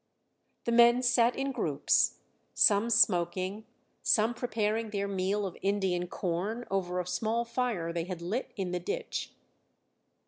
The men sat in groups; some smoking, some preparing their meal of Indian corn over a small fire they had lit in the ditch.